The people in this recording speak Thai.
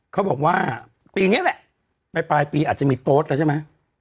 เขาบอกว่าปีนี้แหละไปปลายปีอาจจะมีโต๊ดแล้วใช่ไหม